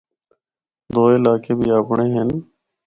دوئے علاقے بی آپنڑے ہن۔